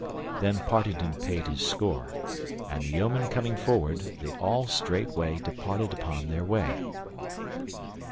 Then Partington paid his score, and the yeomen coming forward, they all straightway departed upon their way.